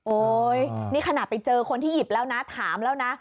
นี่ขนาดไปเจอคนที่หยิบแล้วนะถามแล้วนะ